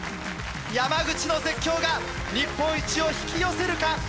山口の絶叫が日本一を引き寄せるか？